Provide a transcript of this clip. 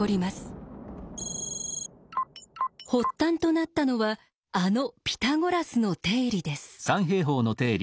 発端となったのはあのピタゴラスの定理です。